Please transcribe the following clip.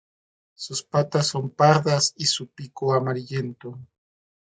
Sus patas son pardas y su pico amarillento.